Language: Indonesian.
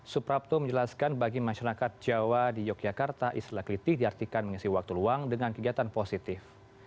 suprapto menjelaskan bagi masyarakat jawa di yogyakarta istilah kelitih diartikan mengisi waktu luang dengan kegiatan positif